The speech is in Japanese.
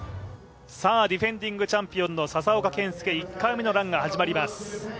ディフェンディングチャンピオンの笹岡建介、１回目のランが始まります。